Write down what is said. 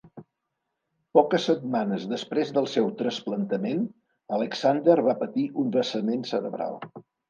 Poques setmanes després del seu trasplantament, Alexander va patir un vessament cerebral.